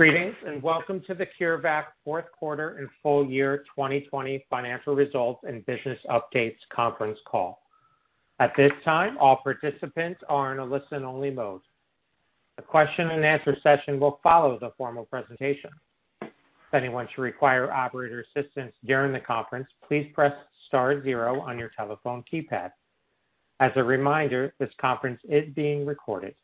Greetings, and welcome to the CureVac fourth quarter and full year 2020 financial results and business updates conference call. At this time, all participants are in a listen-only mode. A question and answer session will follow the formal presentation. If anyone should require operator assistance during the conference, please press star zero on your telephone keypad. As a reminder, this conference is being recorded.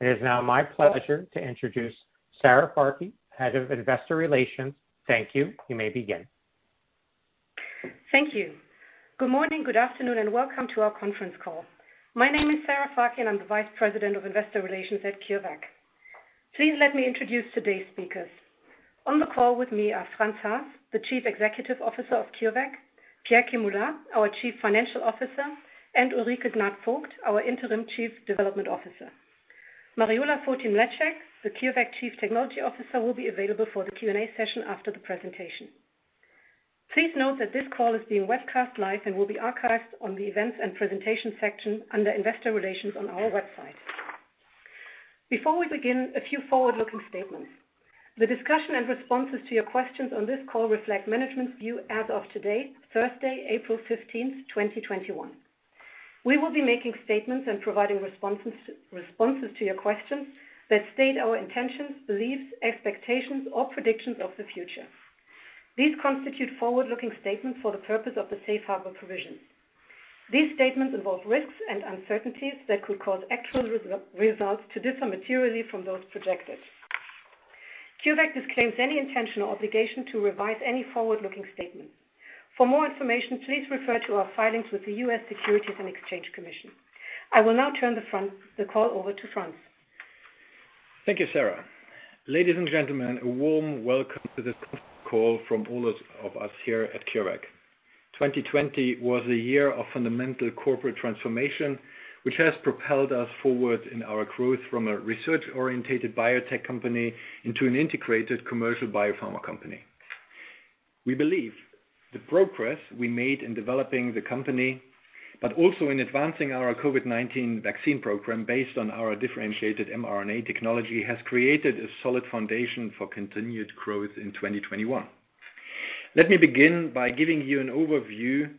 It is now my pleasure to introduce Sarah Fakih, Head of Investor Relations. Thank you. You may begin. Thank you. Good morning, good afternoon, and welcome to our conference call. My name is Sarah Fakih, and I'm the Vice President of Investor Relations at CureVac. Please let me introduce today's speakers. On the call with me are Franz Haas, the Chief Executive Officer of CureVac, Pierre Kemula, our Chief Financial Officer, and Ulrike Gnad-Vogt, our Interim Chief Development Officer. Mariola Fotin-Mleczek, the CureVac Chief Technology Officer, will be available for the Q&A session after the presentation. Please note that this call is being webcast live and will be archived on the Events and Presentation section under Investor Relations on our website. Before we begin, a few forward-looking statements. The discussion and responses to your questions on this call reflect management's view as of today, Thursday, April 15th, 2021. We will be making statements and providing responses to your questions that state our intentions, beliefs, expectations, or predictions of the future. These constitute forward-looking statements for the purpose of the safe harbor provision. These statements involve risks and uncertainties that could cause actual results to differ materially from those projected. CureVac disclaims any intention or obligation to revise any forward-looking statement. For more information, please refer to our filings with the U.S. Securities and Exchange Commission. I will now turn the call over to Franz. Thank you, Sarah. Ladies and gentlemen, a warm welcome to this call from all of us here at CureVac. 2020 was a year of fundamental corporate transformation, which has propelled us forward in our growth from a research-orientated biotech company into an integrated commercial biopharma company. We believe the progress we made in developing the company, but also in advancing our COVID-19 vaccine program based on our differentiated mRNA technology, has created a solid foundation for continued growth in 2021. Let me begin by giving you an overview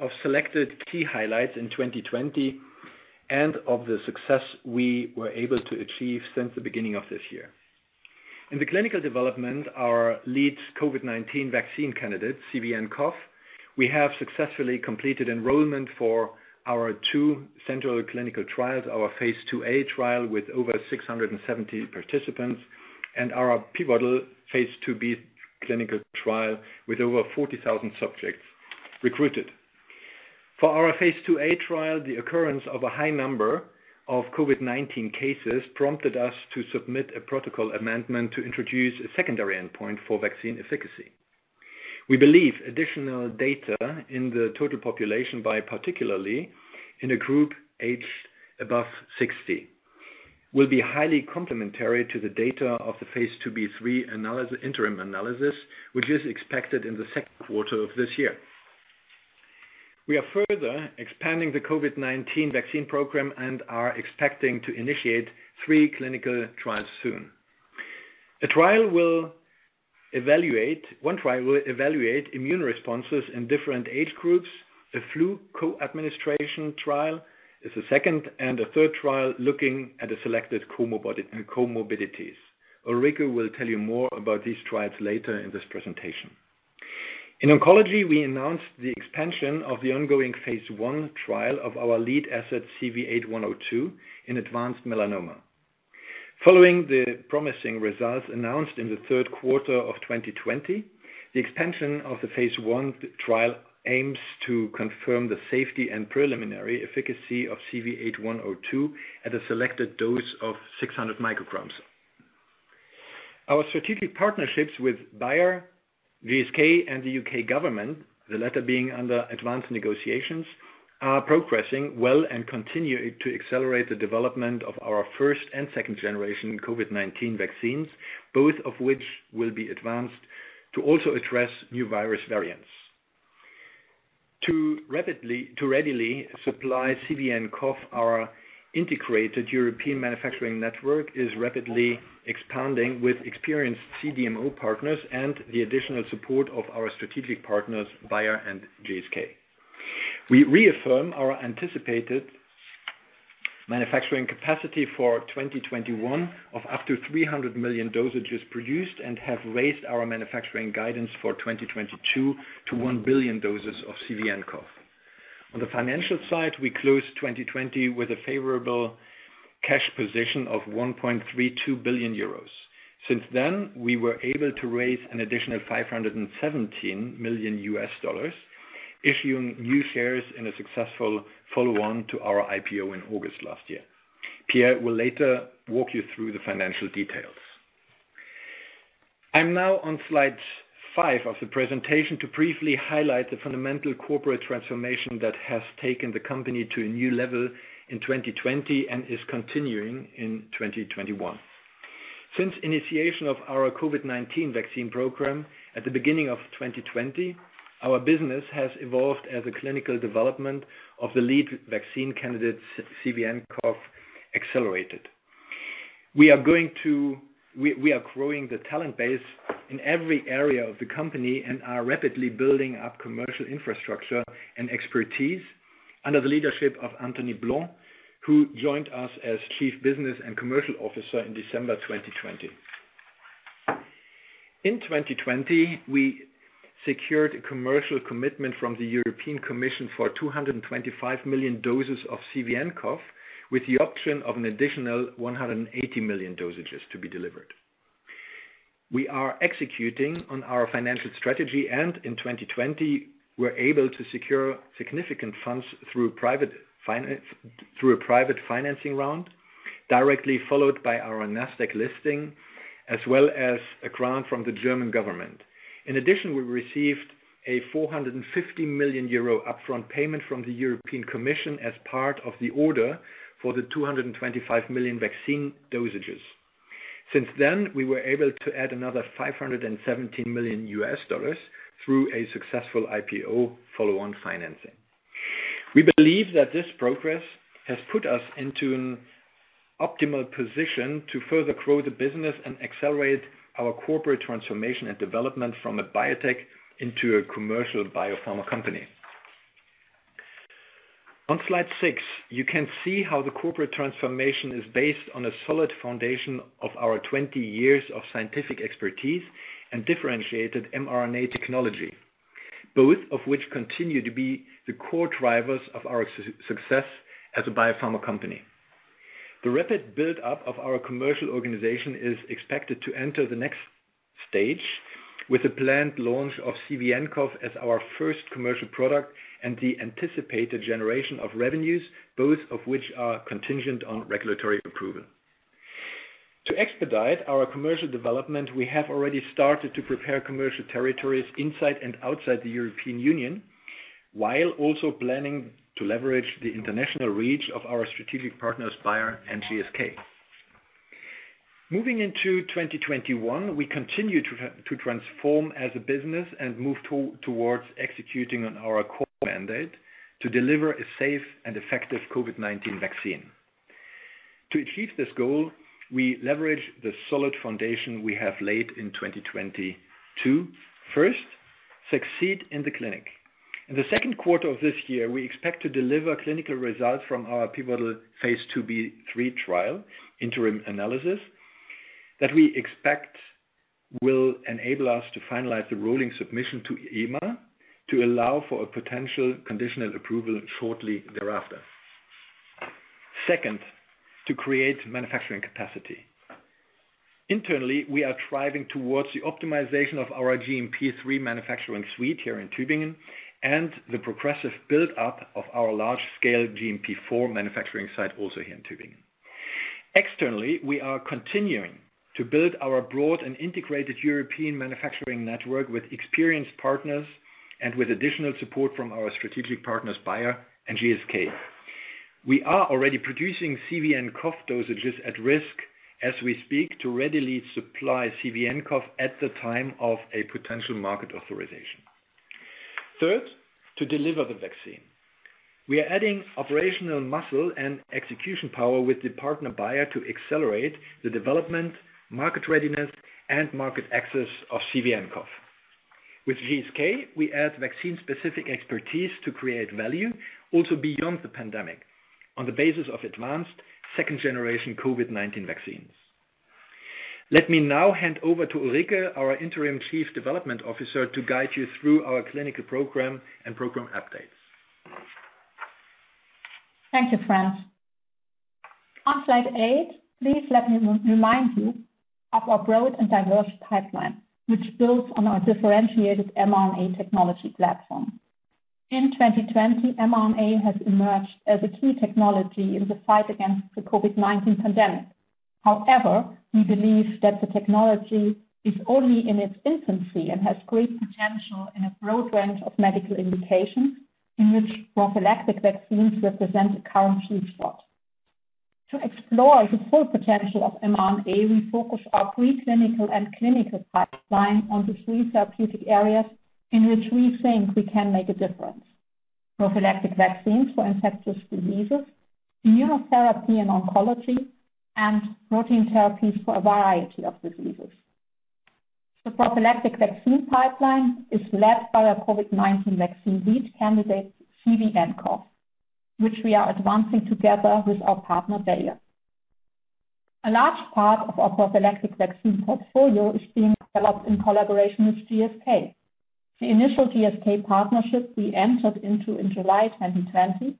of selected key highlights in 2020 and of the success we were able to achieve since the beginning of this year. In the clinical development, our lead COVID-19 vaccine candidate, CVnCoV, we have successfully completed enrollment for our two central clinical trials, our phase II-A trial with over 670 participants, and our pivotal phase II-B clinical trial with over 40,000 subjects recruited. For our phase II-A trial, the occurrence of a high number of COVID-19 cases prompted us to submit a protocol amendment to introduce a secondary endpoint for vaccine efficacy. We believe additional data in the total population, particularly in a group aged above 60, will be highly complementary to the data of the phase II-B/III interim analysis, which is expected in the second quarter of this year. We are further expanding the COVID-19 vaccine program and are expecting to initiate three clinical trials soon. One trial will evaluate immune responses in different age groups. The flu co-administration trial is the second. The third trial looking at selected comorbidities. Ulrike will tell you more about these trials later in this presentation. In oncology, we announced the expansion of the ongoing phase I trial of our lead asset, CV8102, in advanced melanoma. Following the promising results announced in the third quarter of 2020, the expansion of the phase I trial aims to confirm the safety and preliminary efficacy of CV8102 at a selected dose of 600 micrograms. Our strategic partnerships with Bayer, GSK, and the U.K. government, the latter being under advanced negotiations, are progressing well and continue to accelerate the development of our first and second-generation COVID-19 vaccines, both of which will be advanced to also address new virus variants. To readily supply CVnCoV, our integrated European manufacturing network is rapidly expanding with experienced CDMO partners and the additional support of our strategic partners, Bayer and GSK. We reaffirm our anticipated manufacturing capacity for 2021 of up to 300 million dosages produced and have raised our manufacturing guidance for 2022 to 1 billion doses of CVnCoV. On the financial side, we closed 2020 with a favorable cash position of 1.32 billion euros. Since then, we were able to raise an additional $517 million, issuing new shares in a successful follow-on to our IPO in August last year. Pierre will later walk you through the financial details. I'm now on slide five of the presentation to briefly highlight the fundamental corporate transformation that has taken the company to a new level in 2020 and is continuing in 2021. Since initiation of our COVID-19 vaccine program at the beginning of 2020, our business has evolved as a clinical development of the lead vaccine candidate, CVnCoV, accelerated. We are growing the talent base in every area of the company and are rapidly building up commercial infrastructure and expertise under the leadership of Antony Blanc, who joined us as Chief Business and Commercial Officer in December 2020. In 2020, we secured a commercial commitment from the European Commission for 225 million doses of CVnCoV, with the option of an additional 180 million dosages to be delivered. We are executing on our financial strategy, and in 2020, were able to secure significant funds through a private financing round, directly followed by our NASDAQ listing, as well as a grant from the German government. In addition, we received a 450 million euro upfront payment from the European Commission as part of the order for the 225 million vaccine dosages. Since then, we were able to add another $517 million through a successful IPO follow-on financing. We believe that this progress has put us into an optimal position to further grow the business and accelerate our corporate transformation and development from a biotech into a commercial biopharma company. On slide six, you can see how the corporate transformation is based on a solid foundation of our 20 years of scientific expertise and differentiated mRNA technology, both of which continue to be the core drivers of our success as a biopharma company. The rapid build-up of our commercial organization is expected to enter the next stage with the planned launch of CVnCoV as our first commercial product and the anticipated generation of revenues, both of which are contingent on regulatory approval. To expedite our commercial development, we have already started to prepare commercial territories inside and outside the European Union, while also planning to leverage the international reach of our strategic partners, Bayer and GSK. Moving into 2021, we continue to transform as a business and move towards executing on our core mandate to deliver a safe and effective COVID-19 vaccine. To achieve this goal, we leverage the solid foundation we have laid in 2022. First, succeed in the clinic. In the second quarter of this year, we expect to deliver clinical results from our pivotal phase II-B/III trial interim analysis that we expect will enable us to finalize the rolling submission to EMA to allow for a potential conditional approval shortly thereafter. Second, to create manufacturing capacity. Internally, we are thriving towards the optimization of our GMP3 manufacturing suite here in Tübingen, and the progressive build-up of our large-scale GMP4 manufacturing site, also here in Tübingen. Externally, we are continuing to build our broad and integrated European manufacturing network with experienced partners and with additional support from our strategic partners, Bayer and GSK. We are already producing CVnCoV dosages at risk as we speak to readily supply CVnCoV at the time of a potential market authorization. Third, to deliver the vaccine. We are adding operational muscle and execution power with the partner Bayer to accelerate the development, market readiness, and market access of CVnCoV. With GSK, we add vaccine-specific expertise to create value also beyond the pandemic, on the basis of advanced second-generation COVID-19 vaccines. Let me now hand over to Ulrike, our interim chief development officer, to guide you through our clinical program and program updates. Thank you, Franz. On slide eight, please let me remind you of our broad and diverse pipeline, which builds on our differentiated mRNA technology platform. In 2020, mRNA has emerged as a key technology in the fight against the COVID-19 pandemic. However, we believe that the technology is only in its infancy and has great potential in a broad range of medical indications in which prophylactic vaccines represent a current use slot. To explore the full potential of mRNA, we focus our preclinical and clinical pipeline on the three therapeutic areas in which we think we can make a difference. Prophylactic vaccines for infectious diseases, immunotherapy and oncology, and protein therapies for a variety of diseases. The prophylactic vaccine pipeline is led by our COVID-19 vaccine lead candidate, CVnCoV, which we are advancing together with our partner, Bayer. A large part of our prophylactic vaccine portfolio is being developed in collaboration with GSK. The initial GSK partnership we entered into in July 2020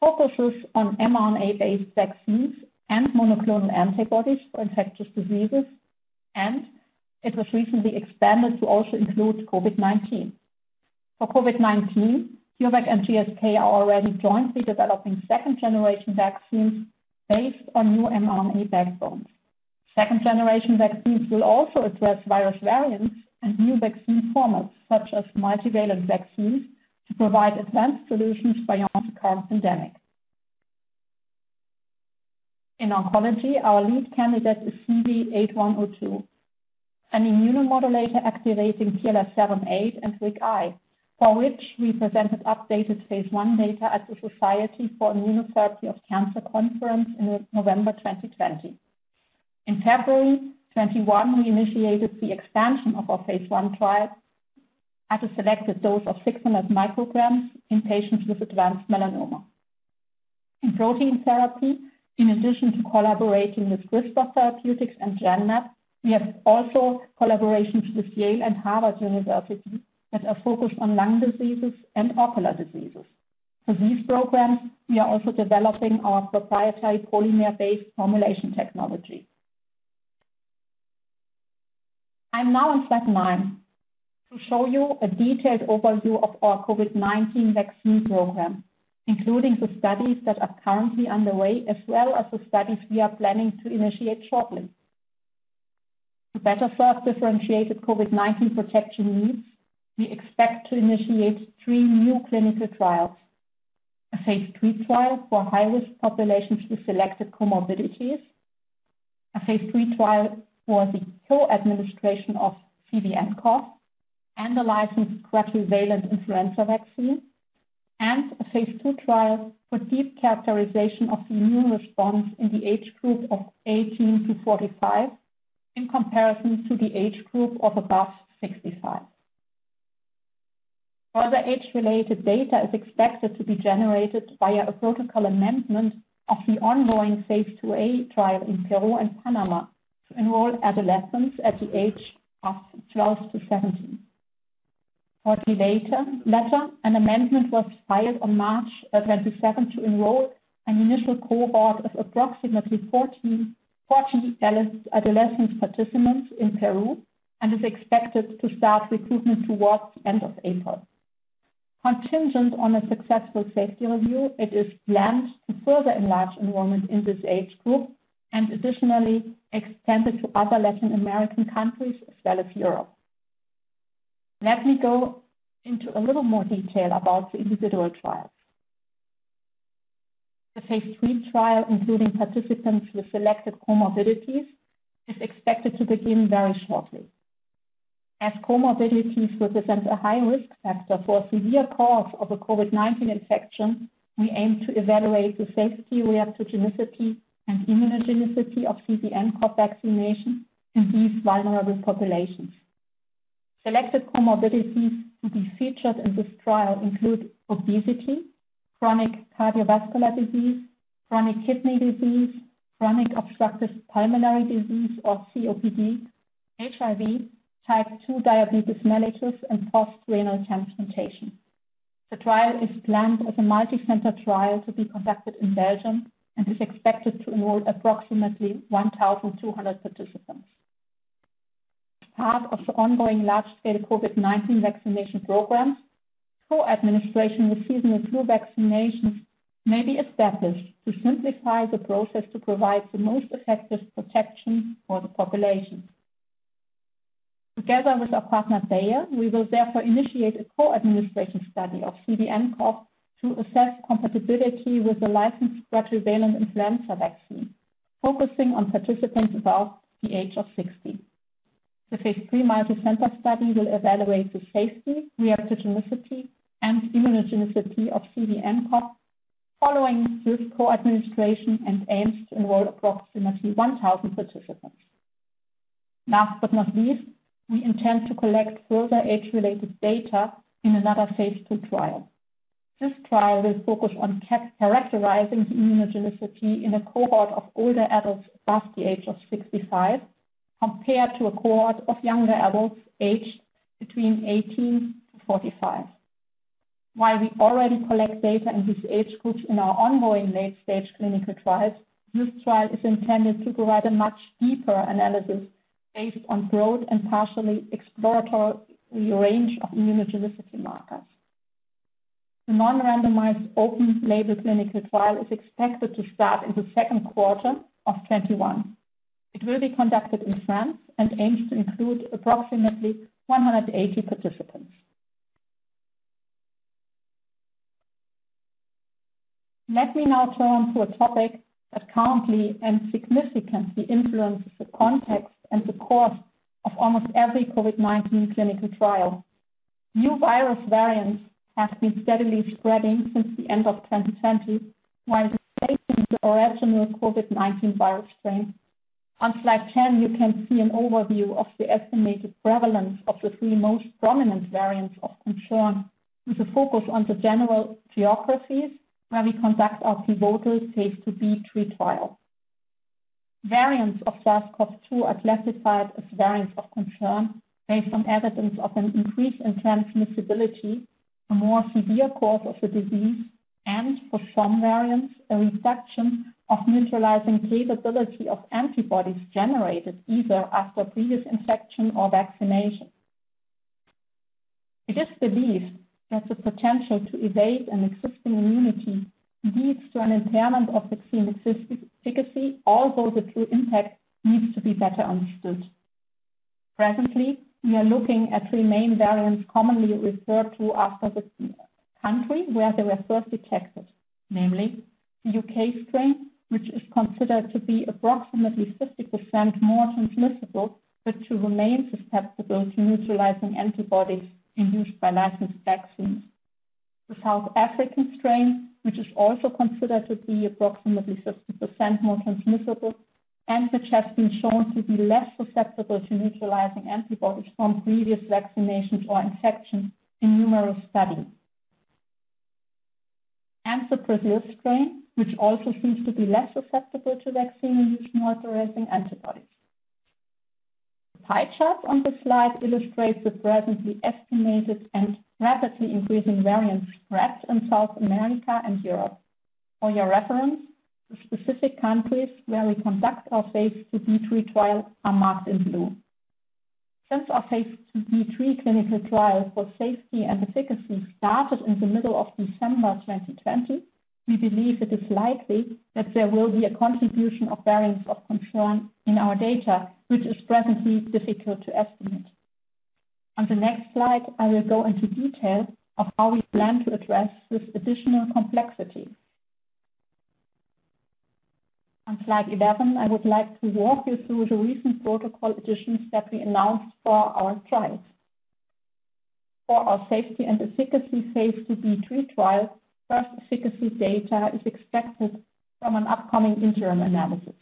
focuses on mRNA-based vaccines and monoclonal antibodies for infectious diseases, and it was recently expanded to also include COVID-19. For COVID-19, CureVac and GSK are already jointly developing second-generation vaccines based on new mRNA backbones. Second-generation vaccines will also address virus variants and new vaccine formats, such as multivalent vaccines, to provide advanced solutions beyond the current pandemic. In oncology, our lead candidate is CV8102, an immunomodulator activating TLR7/8 and RIG-I, for which we presented updated phase I data at the Society for Immunotherapy of Cancer Conference in November 2020. In February 2021, we initiated the expansion of our phase I trial at a selected dose of 600 micrograms in patients with advanced melanoma. In protein therapy, in addition to collaborating with CRISPR Therapeutics and Genmab, we have also collaboration with Yale and Harvard University that are focused on lung diseases and ocular diseases. For these programs, we are also developing our proprietary polymer-based formulation technology. I'm now on slide nine to show you a detailed overview of our COVID-19 vaccine program, including the studies that are currently underway, as well as the studies we are planning to initiate shortly. To better serve differentiated COVID-19 protection needs, we expect to initiate three new clinical trials, a phase III trial for high-risk populations with selected comorbidities, a phase III trial for the co-administration of CVnCoV and the licensed quadrivalent influenza vaccine, and a phase II trial for deep characterization of immune response in the age group of 18 to 45 in comparison to the age group of above 65. Further age-related data is expected to be generated via a protocol amendment of the ongoing phase II-A trial in Peru and Panama to enroll adolescents at the age of 12-17. Shortly later, an amendment was filed on March 22nd to enroll an initial cohort of approximately 40 adolescent participants in Peru and is expected to start recruitment towards the end of April. Contingent on a successful safety review, it is planned to further enlarge enrollment in this age group and additionally extend it to other Latin American countries as well as Europe. Let me go into a little more detail about the individual trials. The phase III trial, including participants with selected comorbidities, is expected to begin very shortly. As comorbidities represent a high-risk factor for severe course of a COVID-19 infection, we aim to evaluate the safety, reactogenicity, and immunogenicity of CVnCoV vaccination in these vulnerable populations. Selected comorbidities to be featured in this trial include obesity, chronic cardiovascular disease, chronic kidney disease, chronic obstructive pulmonary disease or COPD, HIV, type 2 diabetes mellitus, and post-renal transplantation. The trial is planned as a multicenter trial to be conducted in Belgium and is expected to enroll approximately 1,200 participants. As part of the ongoing large-scale COVID-19 vaccination programs, co-administration with seasonal flu vaccinations may be established to simplify the process to provide the most effective protection for the population. Together with our partner, Bayer, we will therefore initiate a co-administration study of CVnCoV to assess compatibility with the licensed quadrivalent influenza vaccine, focusing on participants above the age of 60. The phase III multicenter study will evaluate the safety, reactogenicity, and immunogenicity of CVnCoV following this co-administration and aims to enroll approximately 1,000 participants. Last but not least, we intend to collect further age-related data in another phase II trial. This trial will focus on characterizing the immunogenicity in a cohort of older adults above the age of 65 compared to a cohort of younger adults aged between 18 to 45. While we already collect data in this age group in our ongoing late-stage clinical trials, this trial is intended to provide a much deeper analysis based on broad and partially exploratory range of immunogenicity markers. The non-randomized open label clinical trial is expected to start in the second quarter of 2021. It will be conducted in France and aims to include approximately 180 participants. Let me now turn to a topic that currently and significantly influences the context and the course of almost every COVID-19 clinical trial. New virus variants have been steadily spreading since the end of 2020 while displacing the original COVID-19 virus strain. On slide 10, you can see an overview of the estimated prevalence of the three most prominent variants of concern, with the focus on the general geographies where we conduct our pivotal phase II-B/III trials. Variants of SARS-CoV-2 are classified as variants of concern based on evidence of an increase in transmissibility, a more severe course of the disease, and for some variants, a reduction of neutralizing capability of antibodies generated either after previous infection or vaccination. It is believed that the potential to evade an existing immunity leads to an impairment of vaccine efficacy, although the true impact needs to be better understood. Presently, we are looking at three main variants commonly referred to after the country where they were first detected, namely: the U.K. strain, which is considered to be approximately 50% more transmissible, but to remain susceptible to neutralizing antibodies induced by licensed vaccines. The South African strain, which is also considered to be approximately 50% more transmissible and which has been shown to be less susceptible to neutralizing antibodies from previous vaccinations or infections in numerous studies. The Brazil strain, which also seems to be less susceptible to vaccine-induced neutralizing antibodies. The pie chart on this slide illustrates the presently estimated and rapidly increasing variant spread in South America and Europe. For your reference, the specific countries where we conduct our phase II/III trial are marked in blue. Since our phase II/III clinical trial for safety and efficacy started in the middle of December 2020, we believe it is likely that there will be a contribution of variants of concern in our data, which is presently difficult to estimate. On the next slide, I will go into detail of how we plan to address this additional complexity. On slide 11, I would like to walk you through the recent protocol additions that we announced for our trials. For our safety and efficacy phase II/III trial, first efficacy data is expected from an upcoming interim analysis.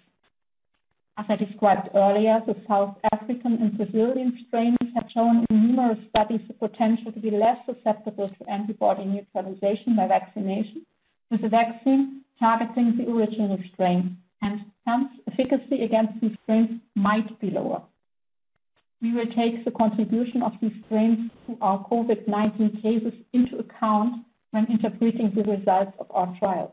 As I described earlier, the South African and Brazilian strains have shown in numerous studies the potential to be less susceptible to antibody neutralization by vaccination, with the vaccine targeting the original strain, and hence efficacy against these strains might be lower. We will take the contribution of these strains to our COVID-19 cases into account when interpreting the results of our trials.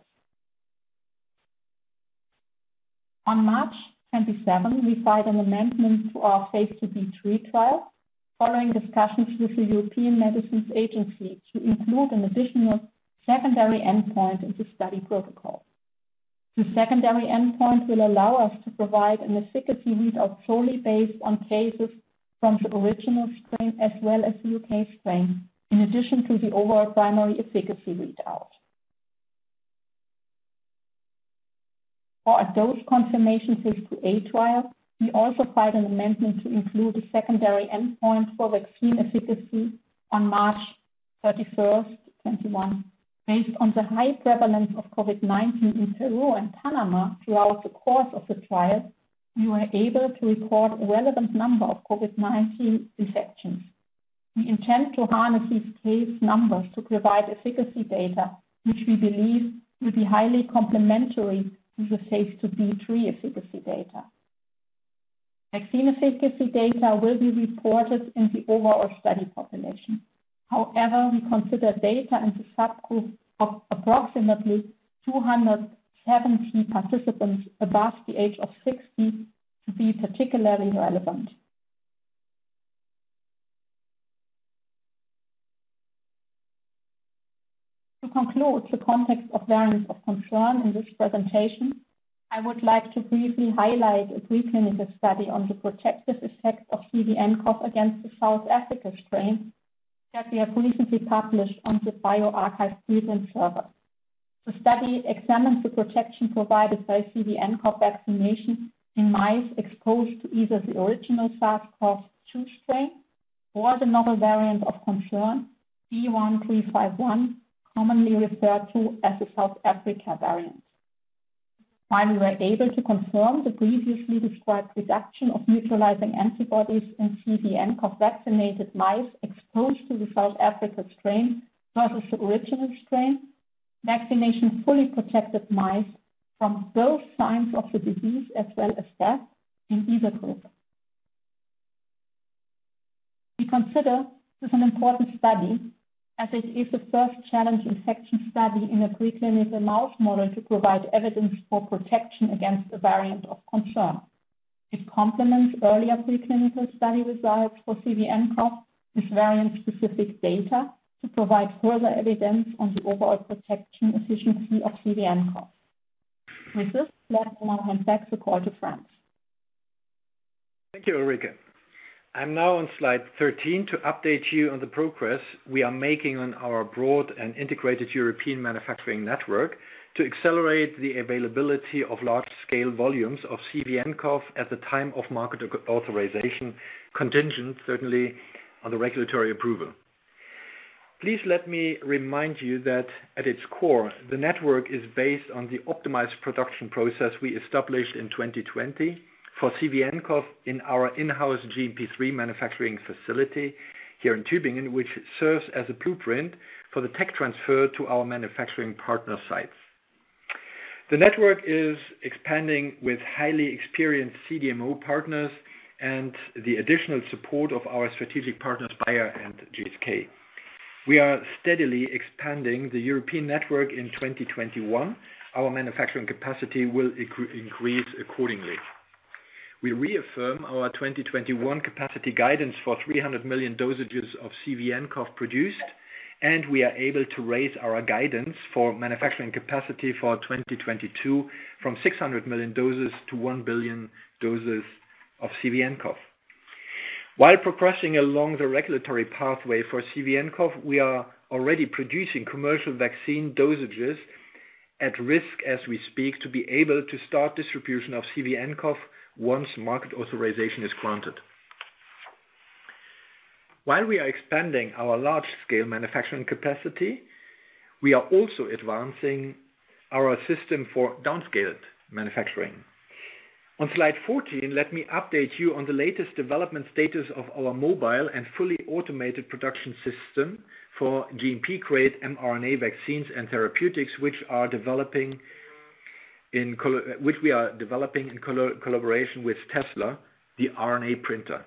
On March 27, we filed an amendment to our phase II/III trial following discussions with the European Medicines Agency to include an additional secondary endpoint in the study protocol. The secondary endpoint will allow us to provide an efficacy readout solely based on cases from the original strain as well as the U.K. strain, in addition to the overall primary efficacy readout. For a dose confirmation phase II-A trial, we also filed an amendment to include a secondary endpoint for vaccine efficacy on March 31st, 2021. Based on the high prevalence of COVID-19 in Peru and Panama throughout the course of the trial, we were able to record a relevant number of COVID-19 infections. We intend to harness these case numbers to provide efficacy data, which we believe will be highly complementary to the phase II/III efficacy data. Vaccine efficacy data will be reported in the overall study population. However, we consider data in the subgroup of approximately 270 participants above the age of 60 to be particularly relevant. To conclude the context of variants of concern in this presentation, I would like to briefly highlight a preclinical study on the protective effect of CVnCoV against the South Africa strain that we have recently published on the bioRxiv pre-print server. The study examines the protection provided by CVnCoV vaccination in mice exposed to either the original SARS-CoV-2 strain or the novel variant of concern, B.1.351, commonly referred to as the South Africa variant. While we were able to confirm the previously described reduction of neutralizing antibodies in CVnCoV-vaccinated mice exposed to the South Africa strain versus the original strain, vaccination fully protected mice from both signs of the disease as well as death in either group. We consider this an important study as it is the first challenge infection study in a preclinical mouse model to provide evidence for protection against a variant of concern. It complements earlier preclinical study results for CVnCoV with variant-specific data to provide further evidence on the overall protection efficiency of CVnCoV. With this, I will now hand back the call to Franz. Thank you, Ulrike. I'm now on slide 13 to update you on the progress we are making on our broad and integrated European manufacturing network to accelerate the availability of large-scale volumes of CVnCoV at the time of market authorization, contingent certainly on the regulatory approval. Please let me remind you that at its core, the network is based on the optimized production process we established in 2020 for CVnCoV in our in-house GMP3 manufacturing facility here in Tübingen, which serves as a blueprint for the tech transfer to our manufacturing partner sites. The network is expanding with highly experienced CDMO partners and the additional support of our strategic partners, Bayer and GSK. We are steadily expanding the European network in 2021. Our manufacturing capacity will increase accordingly. We reaffirm our 2021 capacity guidance for 300 million dosages of CVnCoV produced, and we are able to raise our guidance for manufacturing capacity for 2022 from 600 million doses to 1 billion doses of CVnCoV. While progressing along the regulatory pathway for CVnCoV, we are already producing commercial vaccine dosages at risk as we speak, to be able to start distribution of CVnCoV once market authorization is granted. While we are expanding our large-scale manufacturing capacity, we are also advancing our system for downscaled manufacturing. On slide 14, let me update you on the latest development status of our mobile and fully automated production system for GMP-grade mRNA vaccines and therapeutics, which we are developing in collaboration with Tesla, The RNA Printer.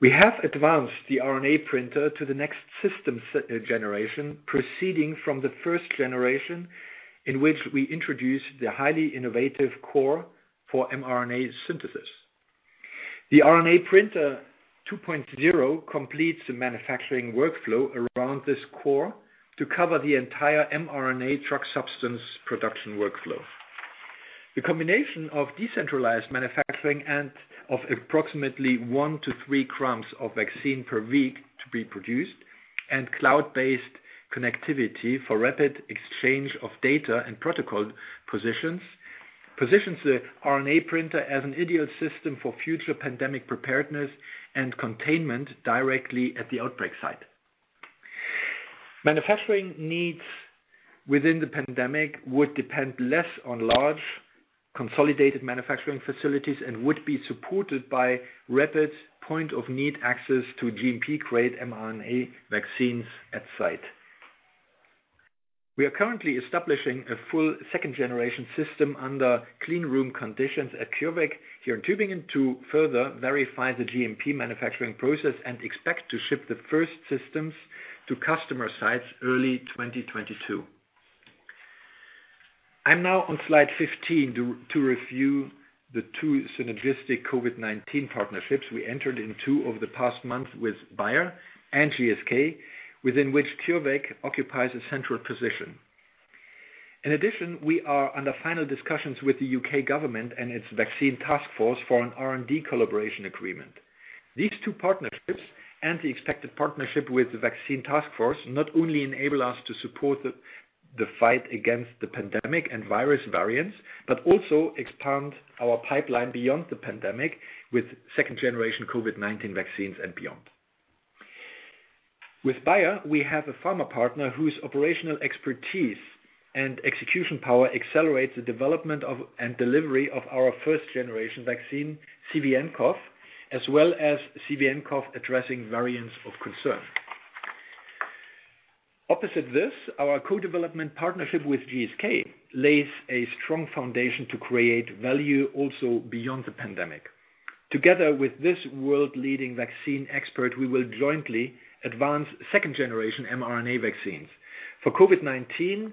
We have advanced The RNA Printer to the next system generation, proceeding from the first generation, in which we introduced the highly innovative core for mRNA synthesis. The RNA Printer 2.0 Completes the manufacturing workflow around this core to cover the entire mRNA drug substance production workflow. The combination of decentralized manufacturing and of approximately 1-3 grams of vaccine per week to be produced, and cloud-based connectivity for rapid exchange of data and protocol positions the RNA Printer as an ideal system for future pandemic preparedness and containment directly at the outbreak site. Manufacturing needs within the pandemic would depend less on large, consolidated manufacturing facilities and would be supported by rapid point-of-need access to GMP-grade mRNA vaccines at site. We are currently establishing a full second generation system under clean room conditions at CureVac here in Tübingen to further verify the GMP manufacturing process and expect to ship the first systems to customer sites early 2022. I'm now on slide 15 to review the two synergistic COVID-19 partnerships we entered into over the past month with Bayer and GSK, within which CureVac occupies a central position. In addition, we are under final discussions with the U.K. government and its vaccine task force for an R&D collaboration agreement. These two partnerships and the expected partnership with the vaccine task force, not only enable us to support the fight against the pandemic and virus variants, but also expand our pipeline beyond the pandemic with second generation COVID-19 vaccines and beyond. With Bayer, we have a pharma partner whose operational expertise and execution power accelerates the development and delivery of our first generation vaccine, CVnCoV, as well as CVnCoV addressing variants of concern. Opposite this, our co-development partnership with GSK lays a strong foundation to create value also beyond the pandemic. Together with this world-leading vaccine expert, we will jointly advance second-generation mRNA vaccines. For COVID-19,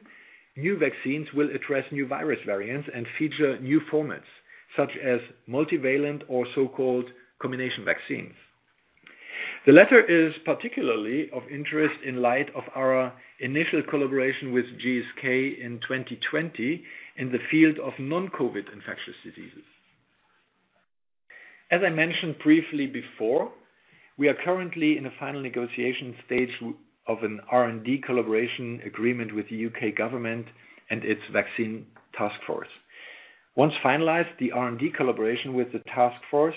new vaccines will address new virus variants and feature new formats, such as multivalent or so-called combination vaccines. The latter is particularly of interest in light of our initial collaboration with GSK in 2020 in the field of non-COVID infectious diseases. As I mentioned briefly before, we are currently in a final negotiation stage of an R&D collaboration agreement with the U.K. government and its vaccine task force. Once finalized, the R&D collaboration with the task force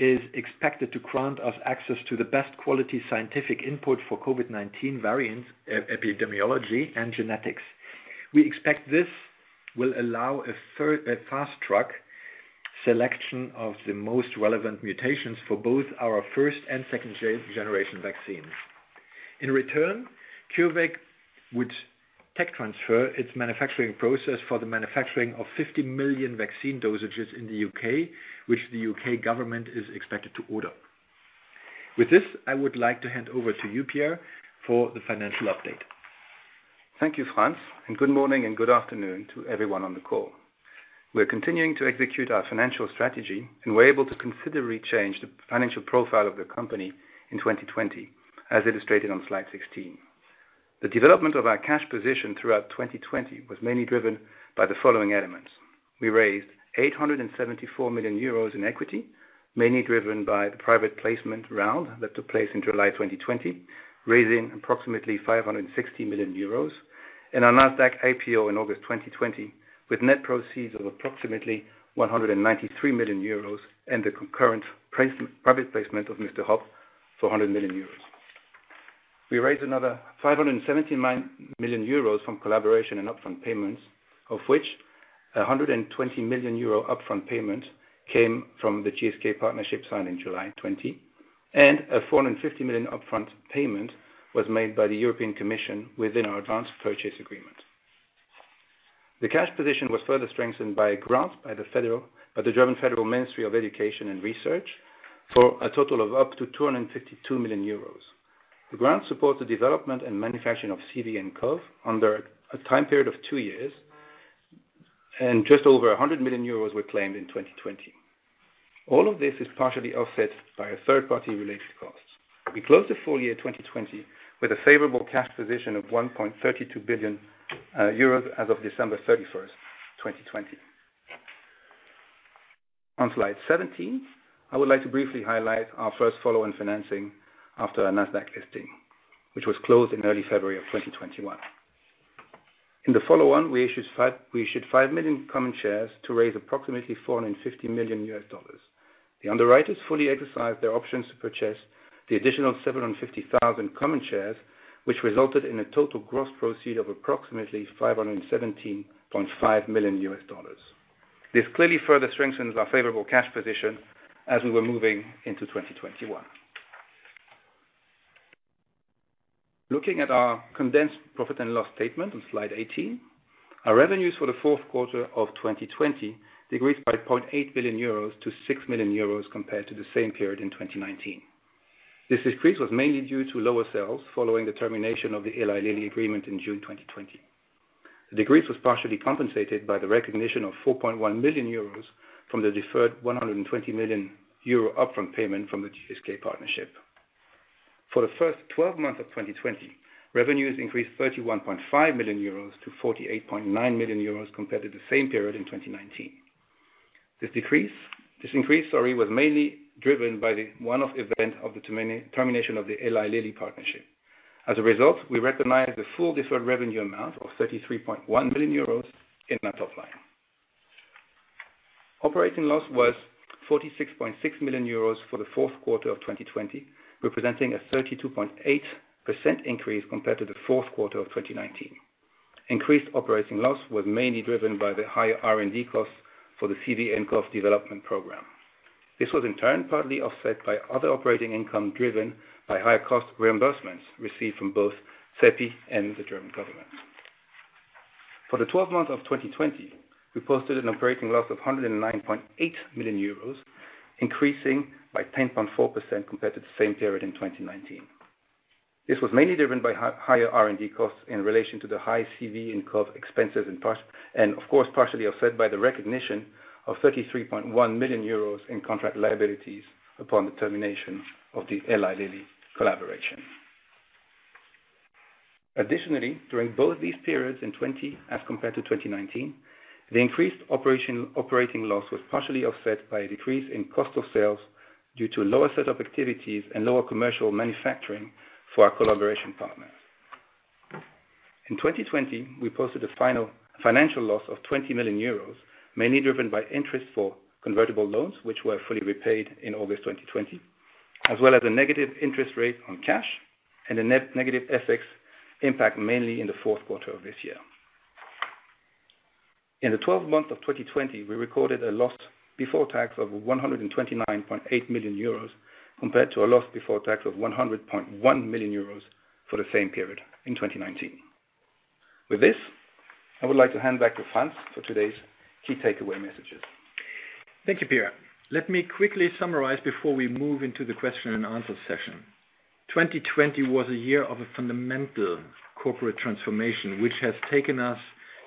is expected to grant us access to the best quality scientific input for COVID-19 variant epidemiology and genetics. We expect this will allow a fast-track selection of the most relevant mutations for both our first and second-generation vaccines. In return, CureVac would tech transfer its manufacturing process for the manufacturing of 50 million vaccine dosages in the U.K., which the U.K. government is expected to order. With this, I would like to hand over to you, Pierre, for the financial update. Thank you, Franz, and good morning and good afternoon to everyone on the call. We're continuing to execute our financial strategy, and were able to considerably change the financial profile of the company in 2020, as illustrated on slide 16. The development of our cash position throughout 2020 was mainly driven by the following elements. We raised 874 million euros in equity, mainly driven by the private placement round that took place in July 2020, raising approximately 560 million euros. And our NASDAQ IPO in August 2020, with net proceeds of approximately 193 million euros and the concurrent private placement of Mr. Hopp for 100 million euros. We raised another 579 million euros from collaboration and upfront payments, of which a 120 million euro upfront payment came from the GSK partnership signed in July 2020, and a 450 million upfront payment was made by the European Commission within our advanced purchase agreement. The cash position was further strengthened by grants by the German Federal Ministry of Education and Research, for a total of up to 252 million euros. The grant supports the development and manufacturing of CVnCoV under a time period of two years, and just over 100 million euros were claimed in 2020. All of this is partially offset by third-party related costs. We closed the full year 2020 with a favorable cash position of 1.32 billion euros as of December 31st, 2020. On slide 17, I would like to briefly highlight our first follow-on financing after our NASDAQ listing, which was closed in early February of 2021. In the follow-on, we issued 5 million common shares to raise approximately $450 million. The underwriters fully exercised their options to purchase the additional 750,000 common shares, which resulted in a total gross proceed of approximately $517.5 million. This clearly further strengthens our favorable cash position as we were moving into 2021. Looking at our condensed profit and loss statement on slide 18, our revenues for the fourth quarter of 2020 decreased by 8 million euros to 6 million euros compared to the same period in 2019. This decrease was mainly due to lower sales following the termination of the Eli Lilly agreement in June 2020. The decrease was partially compensated by the recognition of 4.1 million euros from the deferred 120 million euro upfront payment from the GSK partnership. For the first 12 months of 2020, revenues increased 31.5 million euros to 48.9 million euros compared to the same period in 2019. This increase was mainly driven by the one-off event of the termination of the Eli Lilly partnership. As a result, we recognized the full deferred revenue amount of 33.1 million euros in that top line. Operating loss was 46.6 million euros for the fourth quarter of 2020, representing a 32.8% increase compared to the fourth quarter of 2019. Increased operating loss was mainly driven by the higher R&D costs for the CVnCoV development program. This was in turn partly offset by other operating income driven by higher cost reimbursements received from both CEPI and the German government. For the 12 months of 2020, we posted an operating loss of 109.8 million euros, increasing by 10.4% compared to the same period in 2019. This was mainly driven by higher R&D costs in relation to the high CVnCoV expenses, of course, partially offset by the recognition of 33.1 million euros in contract liabilities upon the termination of the Eli Lilly collaboration. During both these periods in 2020 as compared to 2019, the increased operating loss was partially offset by a decrease in cost of sales due to lower set of activities and lower commercial manufacturing for our collaboration partners. In 2020, we posted a financial loss of 20 million euros, mainly driven by interest for convertible loans, which were fully repaid in August 2020, as well as a negative interest rate on cash and a negative FX impact mainly in the fourth quarter of this year. In the 12 months of 2020, we recorded a loss before tax of 129.8 million euros compared to a loss before tax of 100.1 million euros for the same period in 2019. With this, I would like to hand back to Franz for today's key takeaway messages. Thank you, Pierre. Let me quickly summarize before we move into the question and answer session. 2020 was a year of a fundamental corporate transformation, which has taken us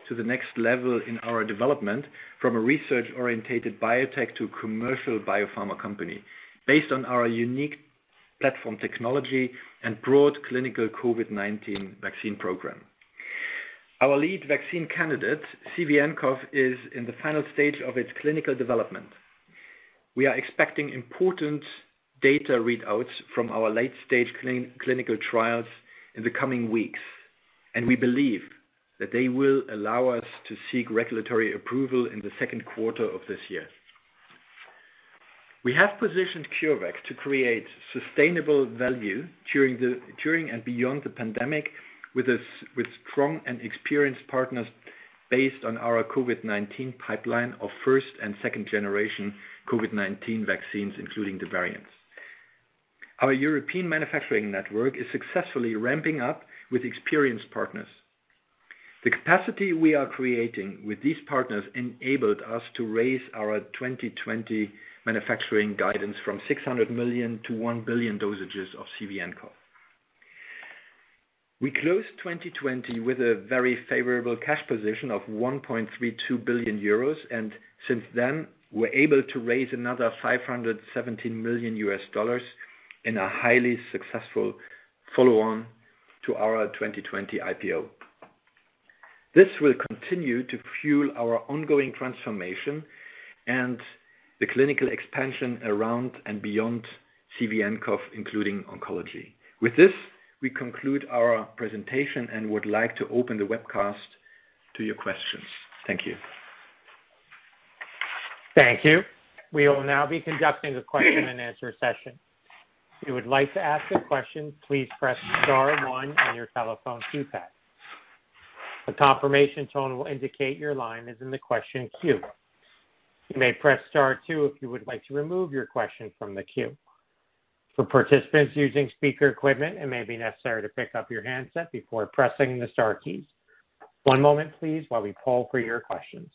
to the next level in our development from a research-orientated biotech to a commercial biopharma company based on our unique platform technology and broad clinical COVID-19 vaccine program. Our lead vaccine candidate, CVnCoV, is in the final stage of its clinical development. We are expecting important data readouts from our late-stage clinical trials in the coming weeks, and we believe that they will allow us to seek regulatory approval in the second quarter of this year. We have positioned CureVac to create sustainable value during and beyond the pandemic with strong and experienced partners based on our COVID-19 pipeline of first and second generation COVID-19 vaccines, including the variants. Our European manufacturing network is successfully ramping up with experienced partners. The capacity we are creating with these partners enabled us to raise our 2020 manufacturing guidance from 600 million to 1 billion dosages of CVnCoV. We closed 2020 with a very favorable cash position of 1.32 billion euros, and since then, we're able to raise another $517 million in a highly successful follow-on to our 2020 IPO. This will continue to fuel our ongoing transformation and the clinical expansion around and beyond CVnCoV, including oncology. With this, we conclude our presentation and would like to open the webcast to your questions. Thank you. Thank you. We will now be conducting the question and answer session. Who would like to ask a question, please press star one on your telephone keypad. A confirmation tone will indicate your line is in the question queue. You may press star two if you would like to remove your question from the queue. For participants using speaker equipment, it may be necessary to pick up your handset before pressing the star key. One moment please while we call for your questions.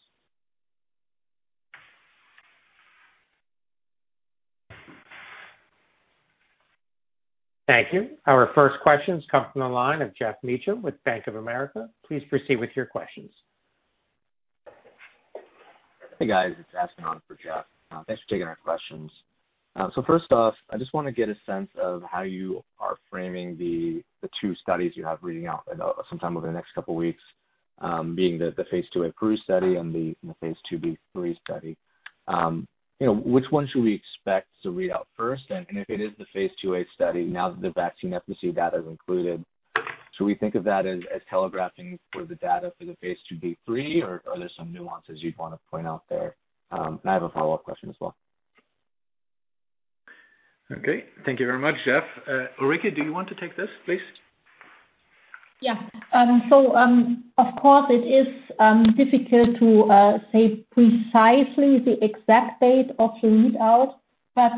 Thank you, our first questions come from the line of Geoff Meacham with Bank of America. Please proceed with your questions. Hey, guys. It's Aspen on for Geoff. Thanks for taking our questions. First off, I just want to get a sense of how you are framing the two studies you have reading out sometime over the next couple of weeks, being the phase II-A Peru study and the phase II-B/III study. Which one should we expect to read out first? If it is the phase II-A study, now that the vaccine efficacy data is included, should we think of that as telegraphing for the data for the phase II-B/III, or are there some nuances you'd want to point out there? I have a follow-up question as well. Okay. Thank you very much, Geoff. Ulrike, do you want to take this, please? Yeah. Of course it is difficult to say precisely the exact date of the readout, but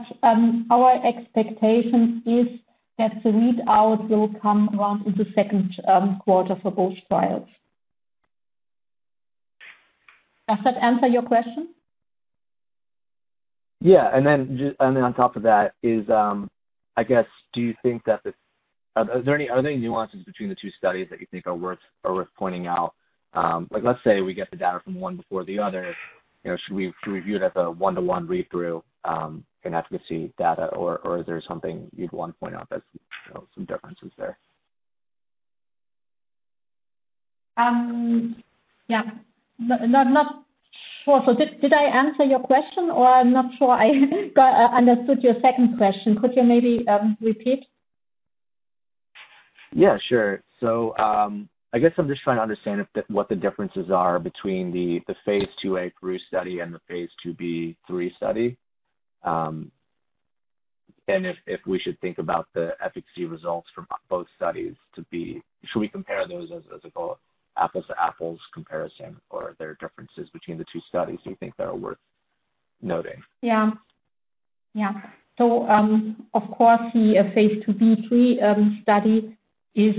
our expectation is that the readout will come around in the second quarter for both trials. Does that answer your question? Yeah. On top of that is, are there any nuances between the two studies that you think are worth pointing out? Let's say we get the data from one before the other, should we view it as a one-to-one read-through in efficacy data, or is there something you'd want to point out as some differences there? Yeah. Not sure. Did I answer your question, or I'm not sure I understood your second question. Could you maybe repeat? Yeah, sure. I guess I'm just trying to understand what the differences are between the phase II-A Peru study and the phase II-B/III study. If we should think about the efficacy results from both studies, should we compare those as an apples-to-apples comparison, or are there differences between the two studies you think that are worth noting? Of course, the phase II-B/III study is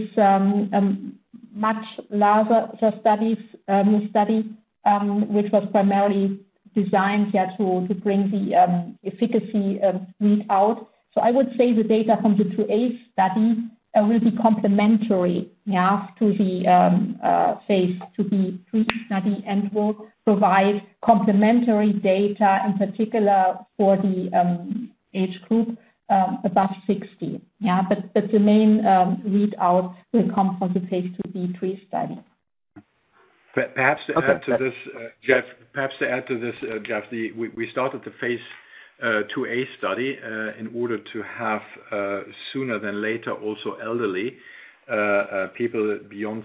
much larger study which was primarily designed here to bring the efficacy readout. I would say the data from the phase II-A study will be complementary to the phase II-B/III study and will provide complementary data, in particular, for the age group above 60. The main readout will come from the phase II-B/III study. Perhaps to add to this, Geoff, we started the phase II-A study in order to have sooner than later also elderly people beyond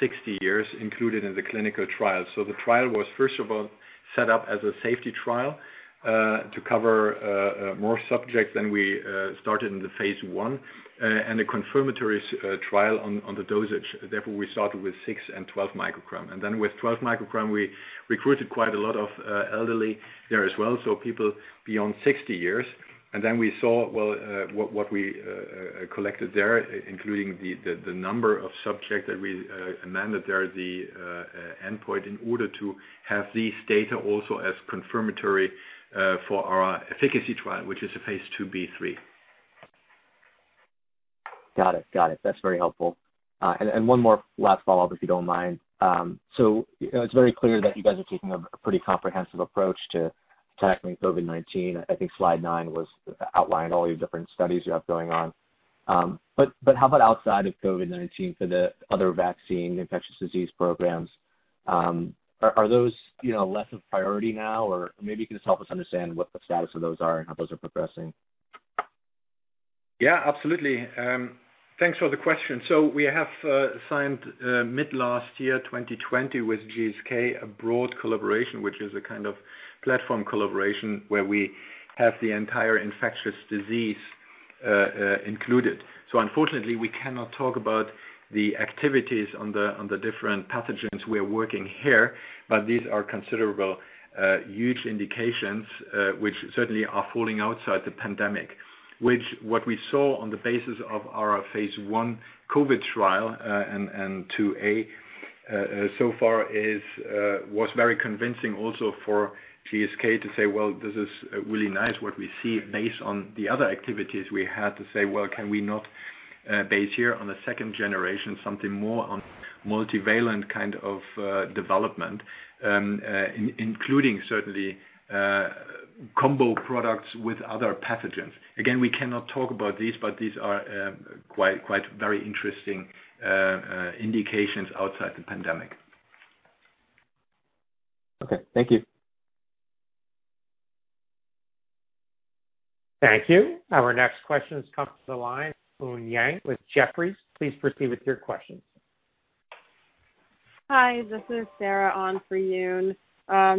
60 years included in the clinical trial. The trial was first of all set up as a safety trial, to cover more subjects than we started in the phase I, and a confirmatory trial on the dosage. Therefore, we started with six and 12 microgram. With 12 microgram, we recruited quite a lot of elderly there as well, so people beyond 60 years. We saw what we collected there, including the number of subjects that we amended there, the endpoint in order to have these data also as confirmatory for our efficacy trial, which is the phase II-B/III. Got it. That's very helpful. One more last follow-up, if you don't mind. It's very clear that you guys are taking a pretty comprehensive approach to tackling COVID-19. I think slide nine outlined all your different studies you have going on. How about outside of COVID-19 for the other vaccine infectious disease programs? Are those less of a priority now? Or maybe you can just help us understand what the status of those are and how those are progressing. Yeah, absolutely. Thanks for the question. We have signed mid last year, 2020, with GSK, a broad collaboration, which is a kind of platform collaboration where we have the entire infectious disease included. Unfortunately, we cannot talk about the activities on the different pathogens we are working here. These are considerable huge indications, which certainly are falling outside the pandemic. Which what we saw on the basis of our phase I COVID trial, and phase II-A, so far was very convincing also for GSK to say, "Well, this is really nice what we see based on the other activities we had," to say, "Well, can we not base here on the second generation something more on multivalent kind of development?" Including certainly combo products with other pathogens. Again, we cannot talk about these, but these are quite very interesting indications outside the pandemic. Okay. Thank you. Thank you. Our next question comes to the line, Eun Yang with Jefferies. Please proceed with your questions. Hi, this is Sarah on for Eun.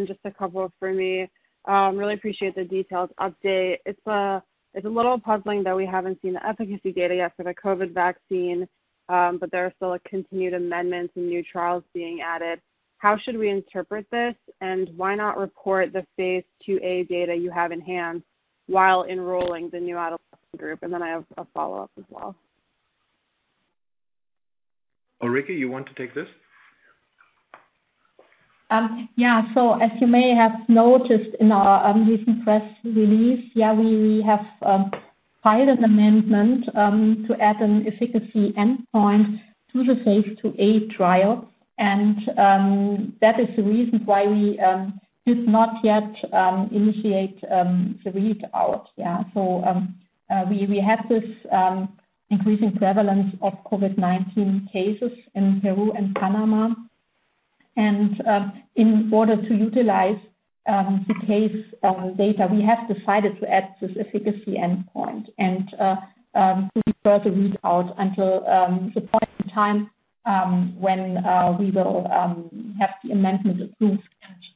Just a couple for me. Really appreciate the detailed update. It's a little puzzling that we haven't seen the efficacy data yet for the COVID vaccine, but there are still continued amendments and new trials being added. How should we interpret this, and why not report the phase II-A data you have in-hand while enrolling the new adolescent group? Then I have a follow-up as well. Ulrike, you want to take this? Yeah. As you may have noticed in our recent press release, yeah, we have filed an amendment to add an efficacy endpoint to the phase II-A trial. That is the reason why we did not yet initiate the read out. We have this increasing prevalence of COVID-19 cases in Peru and Panama. In order to utilize the case data, we have decided to add this efficacy endpoint and to defer the read out until the point in time when we will have the amendment approved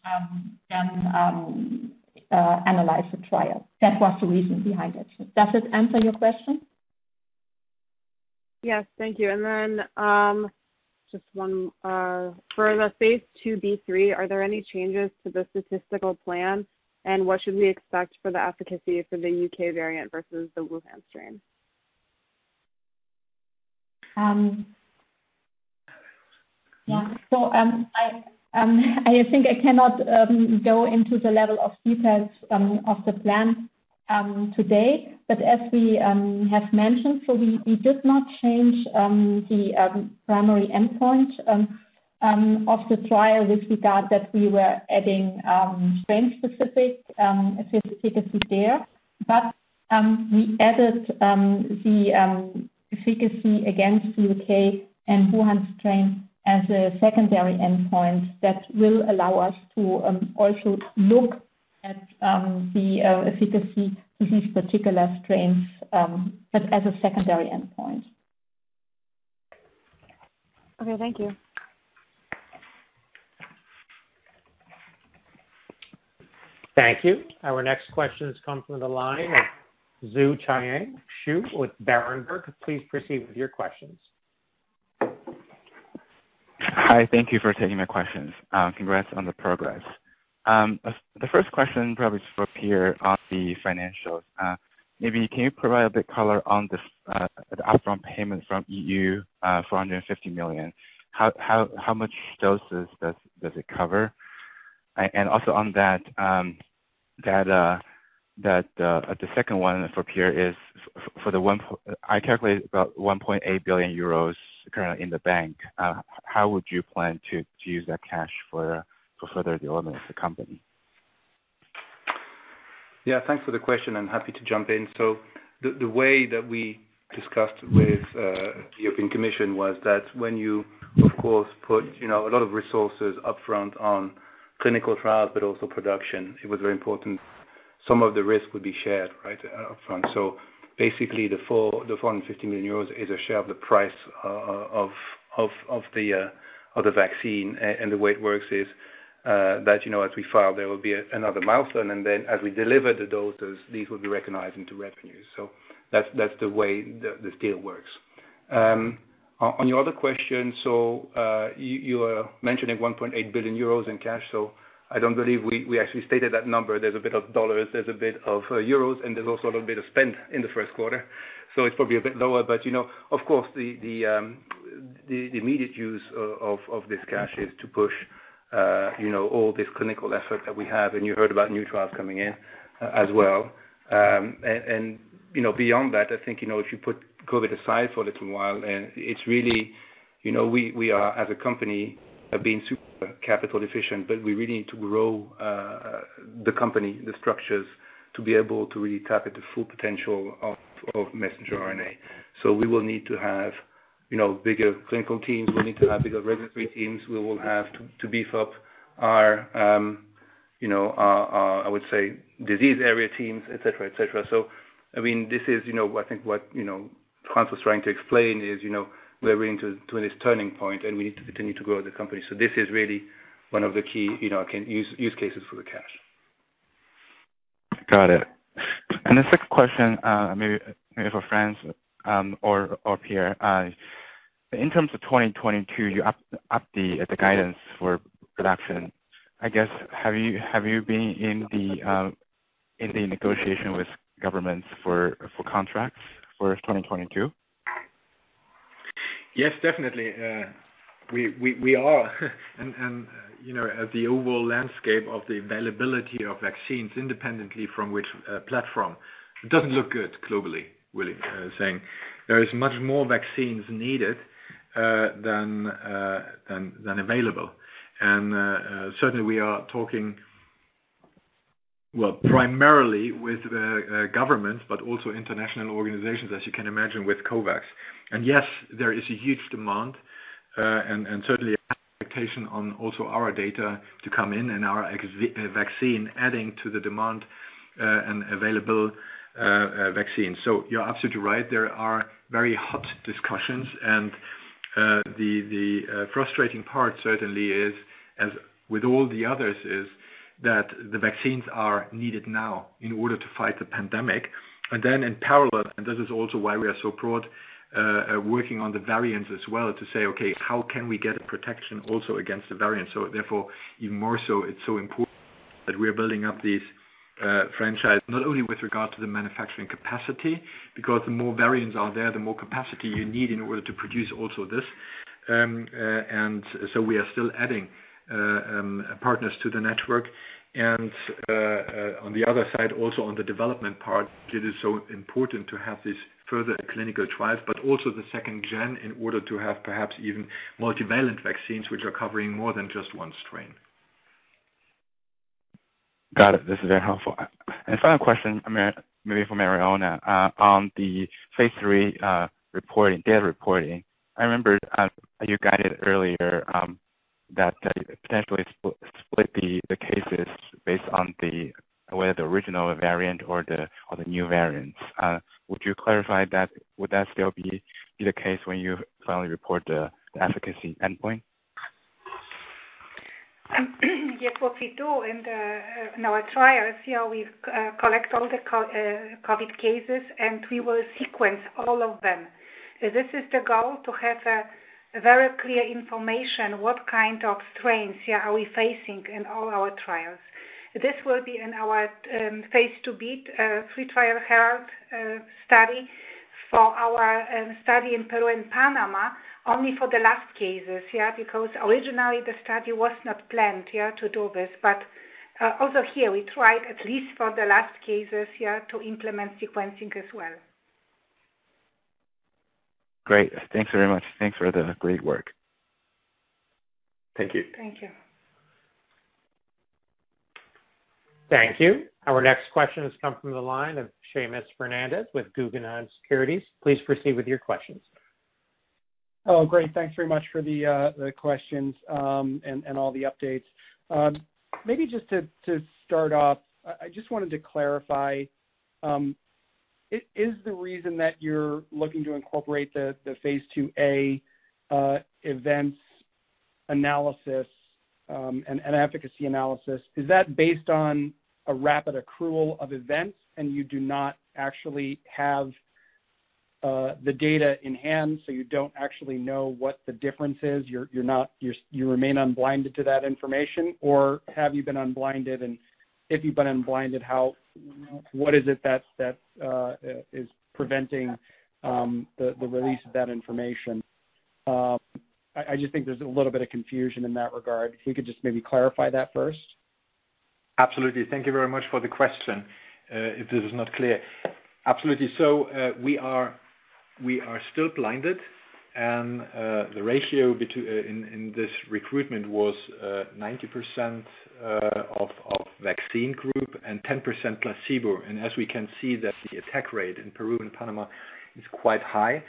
and then analyze the trial. That was the reason behind it. Does it answer your question? Yes. Thank you. Just one for the Phase II-B/III, are there any changes to the statistical plan? What should we expect for the efficacy for the U.K. variant versus the Wuhan strain? I think I cannot go into the level of details of the plan today. As we have mentioned, we did not change the primary endpoint of the trial with regard that we were adding strain-specific efficacy there. We added the efficacy against U.K. and Wuhan strain as a secondary endpoint that will allow us to also look at the efficacy to these particular strains, but as a secondary endpoint. Okay, thank you. Thank you. Our next question comes from the line of Zhiqiang Shu with Berenberg. Please proceed with your questions. Hi. Thank you for taking my questions. Congrats on the progress. The first question probably is for Pierre on the financials. Maybe can you provide a bit color on the upfront payment from EU, 450 million? How much doses does it cover? Also on that, the second one for Pierre is, I calculate about 1.8 billion euros currently in the bank. How would you plan to use that cash for further development of the company? Thanks for the question and happy to jump in. The way that we discussed with the European Commission was that when you, of course, put a lot of resources upfront on clinical trials, but also production, it was very important some of the risk would be shared upfront. Basically, the 450 million euros is a share of the price of the vaccine. The way it works is that as we file, there will be another milestone. As we deliver the doses, these will be recognized into revenues. That's the way this deal works. On your other question, so you are mentioning 1.8 billion euros in cash. I don't believe we actually stated that number. There's a bit of dollars, there's a bit of euros, and there's also a little bit of spend in the first quarter. It's probably a bit lower. Of course, the immediate use of this cash is to push all this clinical effort that we have, and you heard about new trials coming in as well. Beyond that, I think, if you put COVID aside for a little while and it's really we are, as a company, have been super capital efficient, but we really need to grow the company, the structures, to be able to really tap into full potential of messenger RNA. We will need to have bigger clinical teams. We need to have bigger regulatory teams. We will have to beef up our, I would say, disease area teams, et cetera. This is I think what Franz was trying to explain is, we're really into this turning point, and we need to continue to grow the company. This is really one of the key use cases for the cash. Got it. The second question maybe for Franz, or Pierre. In terms of 2022, you upped the guidance for production. I guess, have you been in the negotiation with governments for contracts for 2022? Yes, definitely. We are. As the overall landscape of the availability of vaccines independently from which platform, it doesn't look good globally. There is much more vaccines needed than available. Certainly, we are talking, well, primarily with governments, but also international organizations, as you can imagine, with COVAX. Yes, there is a huge demand, and certainly expectation on also our data to come in and our vaccine adding to the demand and available vaccines. You're absolutely right. There are very hot discussions and the frustrating part certainly is, as with all the others, is that the vaccines are needed now in order to fight the pandemic. In parallel, and this is also why we are so proud, working on the variants as well to say, "Okay, how can we get a protection also against the variants?" Therefore, even more so, it's so important that we are building up these franchise, not only with regard to the manufacturing capacity, because the more variants are there, the more capacity you need in order to produce also this. We are still adding partners to the network. On the other side, also on the development part, it is so important to have these further clinical trials, but also the second-gen, in order to have perhaps even multivalent vaccines, which are covering more than just one strain. Got it. This is very helpful. Final question, maybe for Mariola. On the phase III data reporting, I remember you guided earlier that potentially split the cases based on the way the original variant or the new variants. Would you clarify that? Would that still be the case when you finally report the efficacy endpoint? Yes. What we do in our trials here, we collect all the COVID cases, and we will sequence all of them. This is the goal, to have very clear information what kind of strains here are we facing in all our trials. This will be in our phase II-B/III trial, HERALD study, for our study in Peru and Panama, only for the last cases, yeah, because originally the study was not planned to do this. Also here we tried at least for the last cases here to implement sequencing as well. Great. Thanks very much. Thanks for the great work. Thank you. Thank you. Thank you. Our next question has come from the line of Seamus Fernandez with Guggenheim Securities. Please proceed with your questions. Oh, great. Thanks very much for the questions and all the updates. Maybe just to start off, I just wanted to clarify, is the reason that you're looking to incorporate the phase II-A events analysis and efficacy analysis, is that based on a rapid accrual of events and you do not actually have the data in hand, so you don't actually know what the difference is, you remain unblinded to that information? Have you been unblinded and if you've been unblinded, what is it that is preventing the release of that information? I just think there's a little bit of confusion in that regard. If we could just maybe clarify that first. Absolutely. Thank you very much for the question. If this is not clear. Absolutely. We are still blinded. The ratio in this recruitment was 90% of vaccine group and 10% placebo. As we can see that the attack rate in Peru and Panama is quite high,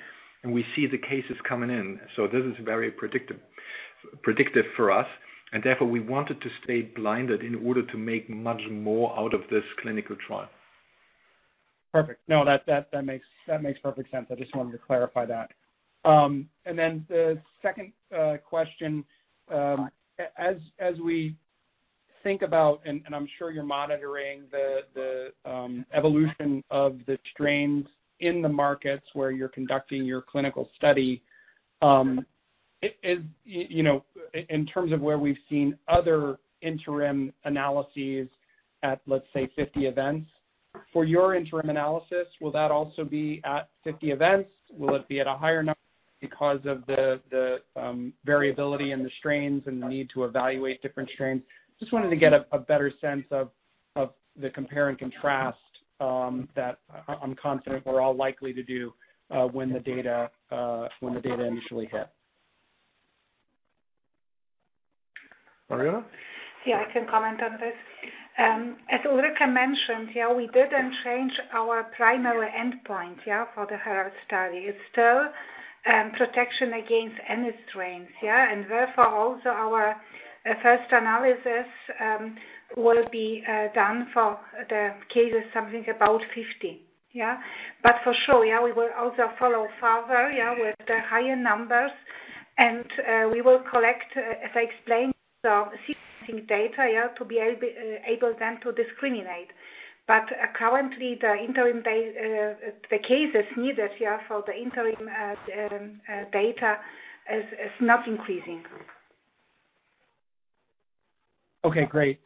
and we see the cases coming in. This is very predictive for us. Therefore we wanted to stay blinded in order to make much more out of this clinical trial. Perfect. That makes perfect sense. I just wanted to clarify that. The second question. As we think about, I'm sure you're monitoring the evolution of the strains in the markets where you're conducting your clinical study. In terms of where we've seen other interim analyses at, let's say, 50 events. For your interim analysis, will that also be at 50 events? Will it be at a higher number because of the variability in the strains and the need to evaluate different strains? Just wanted to get a better sense of the compare and contrast that I'm confident we're all likely to do when the data initially hit. Mariola? Yeah, I can comment on this. As Ulrike mentioned here, we didn't change our primary endpoint for the HERALD study. It's still protection against any strains. Therefore, also our first analysis will be done for the cases, something about 50. For sure, we will also follow further with the higher numbers, and we will collect, as I explained, the sequencing data to be able then to discriminate. Currently, the cases needed here for the interim data is not increasing. Okay, great.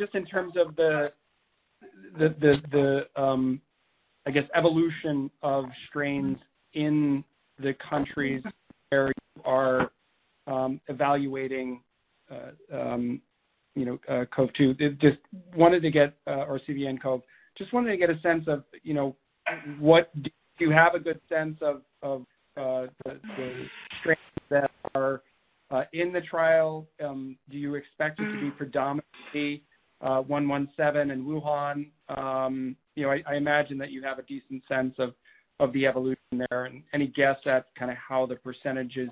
Just in terms of the, I guess, evolution of strains in the countries where you are evaluating COVID too. Just wanted to get, or CVnCoV, just wanted to get a sense of do you have a good sense of the strains that are in the trial? Do you expect it to be predominantly B.1.1.7 and Wuhan? I imagine that you have a decent sense of the evolution there. Any guess at how the percentages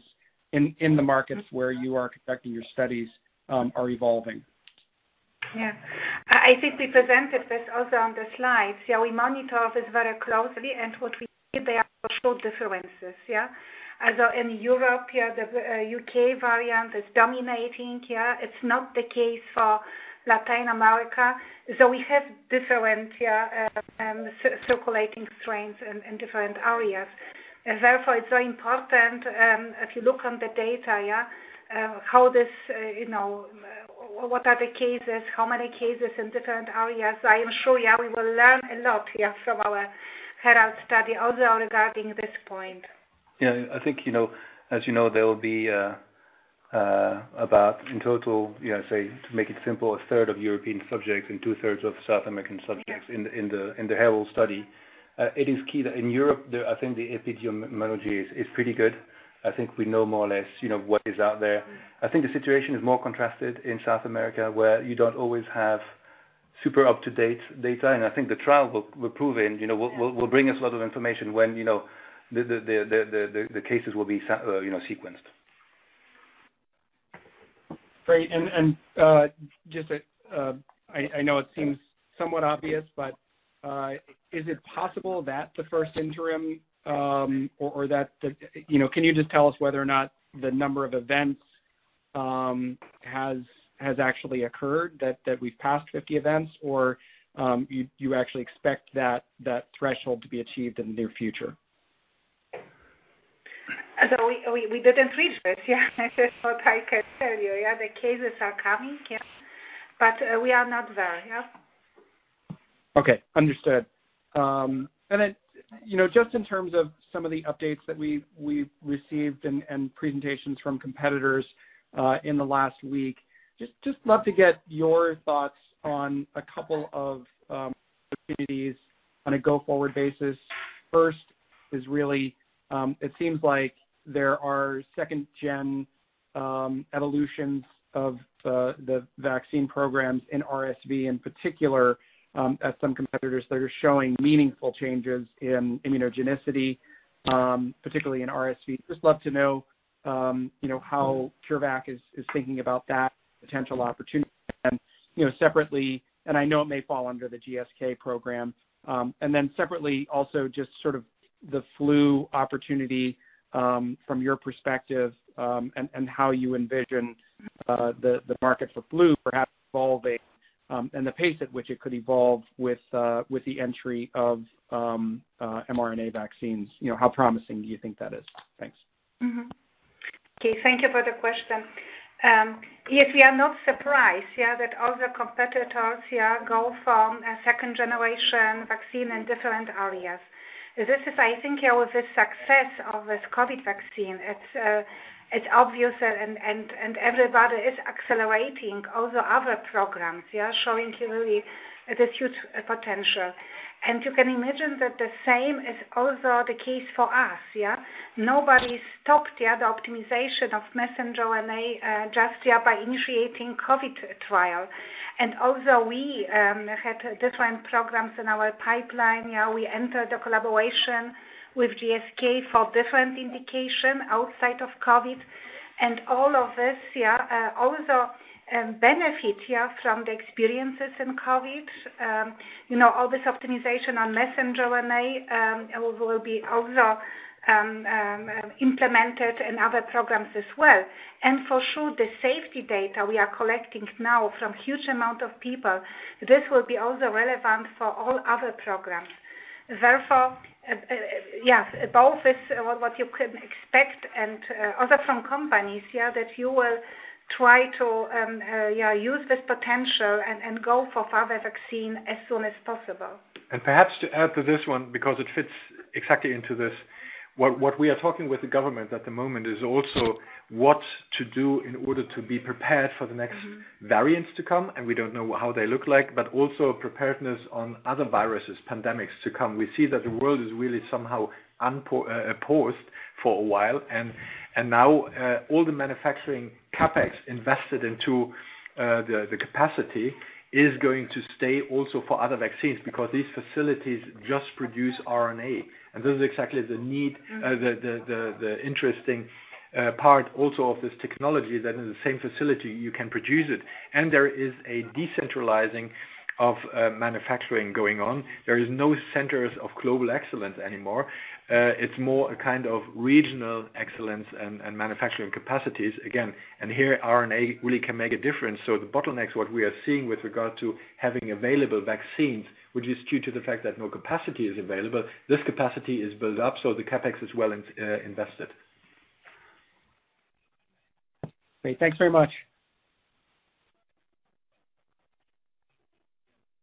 in the markets where you are conducting your studies are evolving? Yeah. I think we presented this also on the slides. We monitor this very closely and what we see there are still differences. Although in Europe here, the U.K. variant is dominating. It's not the case for Latin America. We have different circulating strains in different areas. Therefore, it's very important, if you look on the data, what are the cases, how many cases in different areas. I am sure we will learn a lot from our HERALD study also regarding this point. I think, as you know, there will be about, in total, say, to make it simple, a third of European subjects and two-thirds of South American subjects in the HERALD study. It is key that in Europe, I think the epidemiology is pretty good. I think we know more or less what is out there. I think the situation is more contrasted in South America, where you don't always have super up-to-date data, and I think the trial will bring us a lot of information when the cases will be sequenced. Great. Just, I know it seems somewhat obvious, but is it possible that the first interim, or can you just tell us whether or not the number of events has actually occurred, that we've passed 50 events, or you actually expect that threshold to be achieved in the near future? We didn't reach this, yeah. That is what I can tell you. The cases are coming, we are not there yet. Okay, understood. Just in terms of some of the updates that we've received and presentations from competitors in the last week, just love to get your thoughts on a couple of opportunities on a go-forward basis. First is really, it seems like there are second-gen evolutions of the vaccine programs in RSV, in particular, as some competitors, they're showing meaningful changes in immunogenicity, particularly in RSV. Just love to know how CureVac is thinking about that potential opportunity. I know it may fall under the GSK program. Separately, also just sort of the flu opportunity from your perspective, and how you envision the market for flu perhaps evolving, and the pace at which it could evolve with the entry of mRNA vaccines. How promising do you think that is? Thanks. Okay, thank you for the question. Yes, we are not surprised that other competitors go from a second-generation vaccine in different areas. This is, I think, with the success of this COVID vaccine, it's obvious, and everybody is accelerating all the other programs, showing really this huge potential. You can imagine that the same is also the case for us. Nobody stopped the optimization of messenger RNA just by initiating COVID trial. Although we had different programs in our pipeline, we entered the collaboration with GSK for different indication outside of COVID. All of this also benefit from the experiences in COVID. All this optimization on messenger RNA will be also implemented in other programs as well. For sure, the safety data we are collecting now from huge amount of people, this will be also relevant for all other programs. Therefore, both is what you can expect and other from companies, that you will try to use this potential and go for further vaccine as soon as possible. Perhaps to add to this one, because it fits exactly into this, what we are talking with the government at the moment is also what to do in order to be prepared for the next variants to come, and we don't know how they look like, but also preparedness on other viruses, pandemics to come. We see that the world is really somehow paused for a while. Now, all the manufacturing CapEx invested into the capacity is going to stay also for other vaccines because these facilities just produce RNA. This is exactly the need, the interesting part also of this technology, that in the same facility, you can produce it. There is a decentralizing of manufacturing going on. There is no centers of global excellence anymore. It's more a kind of regional excellence and manufacturing capacities again. Here, RNA really can make a difference. The bottlenecks, what we are seeing with regard to having available vaccines, which is due to the fact that no capacity is available, this capacity is built up, so the CapEx is well invested. Great. Thanks very much.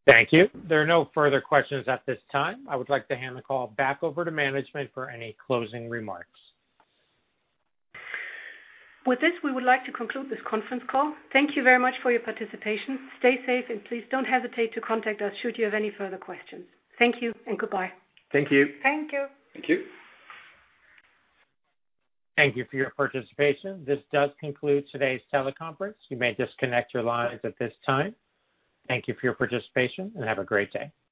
Thank you. There are no further questions at this time. I would like to hand the call back over to management for any closing remarks. With this, we would like to conclude this conference call. Thank you very much for your participation. Stay safe, and please don't hesitate to contact us should you have any further questions. Thank you and goodbye. Thank you. Thank you. Thank you. Thank you for your participation. This does conclude today's teleconference. You may disconnect your lines at this time. Thank you for your participation, and have a great day.